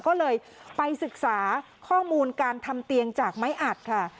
ก็เลยไปศึกษาข้อมูลการทำเตียงจากไม้อัดค่ะ